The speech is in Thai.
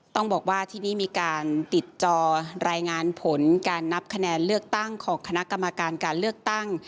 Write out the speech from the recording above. ต้องบอกว่าที่นี่มีการติดจอรายงานผลการนับคะแนนเลือกตั้งของคณะกรรมการการเลือกตั้ง